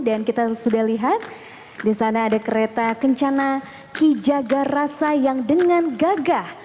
dan kita sudah lihat disana ada kereta kencana ki jagarasa yang dengan gagah